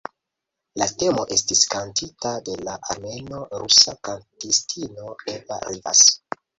La temo estis kantita de la armeno-rusa kantistino Eva Rivas.